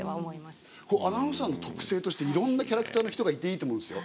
アナウンサーの特性としていろんなキャラクターの人がいていいと思うんですよ。